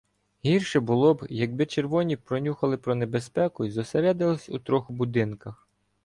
Гірше було б, якби червоні пронюхали про небезпеку й зосередилися у трьох будинках